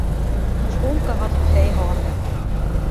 Us omke hat in feehâlderij.